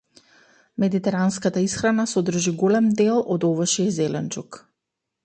Медитеранската исхрана содржи голем дел од овошје и зеленчук.